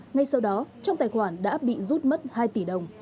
ngay sau đó trong tài khoản đã bị rút mất hai tỷ đồng